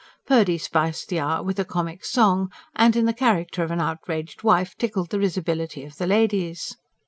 Purdy spiced the hour with a comic song, and in the character of an outraged wife tickled the risibility of the ladies.